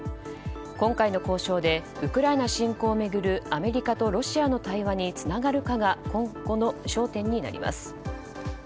今回の交渉でウクライナ侵攻をめぐるアメリカとロシアの対話につながるかが今後の焦点になります。